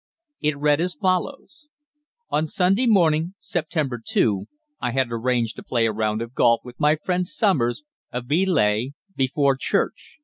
It read as follows: "On Sunday morning, September 2, I had arranged to play a round of golf with my friend Somers, of Beeleigh, before church.